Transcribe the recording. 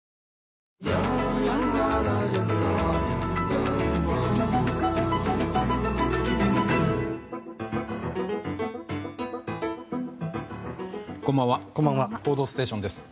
「報道ステーション」です。